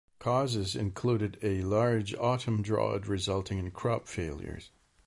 Causes included a large Autumn drought resulting in crop failures.